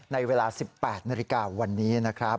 ในเวลา๑๘นาฬิกาวันนี้นะครับ